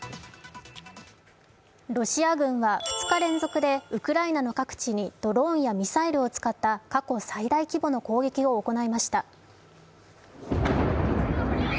ロシア軍は２日連続でウクライナの各地にドローンやミサイルを使った過去最大規模の攻撃を行いました。